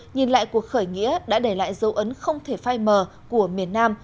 nhìn lại cuộc khởi nghĩa đã để lại dấu ấn không thể phai mờ của miền nam